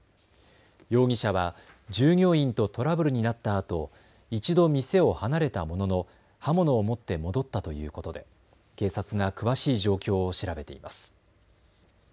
容疑者は従業員とトラブルになったあと一度店を離れたものの刃物を持って戻ったということで警察が詳しい状況を調べています。